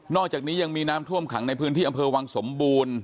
อกจากนี้ยังมีน้ำท่วมขังในพื้นที่อำเภอวังสมบูรณ์